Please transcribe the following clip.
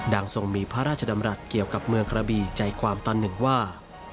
ทรงมีพระราชดำรัฐเกี่ยวกับเมืองกระบีใจความตอนหนึ่งว่า